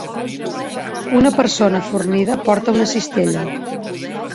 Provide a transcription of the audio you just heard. Una persona fornida porta una cistella